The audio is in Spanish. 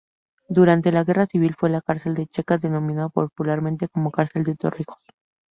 Durante la Guerra Civil fue cárcel de checas, denominada popularmente como Cárcel de Torrijos.